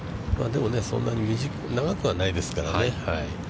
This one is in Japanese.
でも、そんなに長くはないですからね。